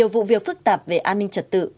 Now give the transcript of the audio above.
cụ việc phức tạp về an ninh trật tự